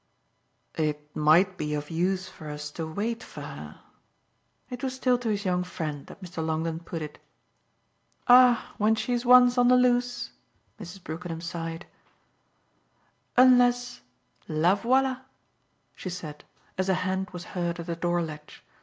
"It might be of use for us to wait for her?" it was still to his young friend that Mr. Longdon put it. "Ah when she's once on the loose !" Mrs. Brookenham sighed. "Unless la voila," she said as a hand was heard at the door latch.